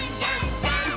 ジャンプ！！